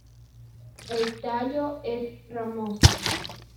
El tallo es ramoso.